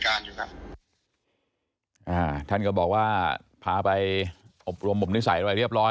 การกรรมครับอ่าท่านก็บอกว่าพาไปอบรมอบนิสัยเรียบร้อย